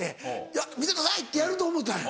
「いや見てください」ってやると思うたんや。